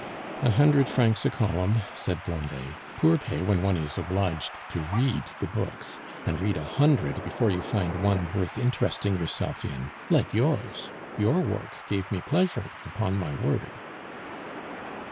"A hundred francs a column," said Blondet. "Poor pay when one is obliged to read the books, and read a hundred before you find one worth interesting yourself in, like yours. Your work gave me pleasure, upon my word."